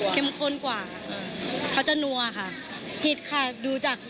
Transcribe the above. ก้มอร่อยครับ